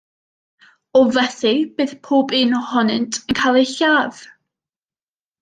O fethu, bydd pob un ohonynt yn cael eu lladd.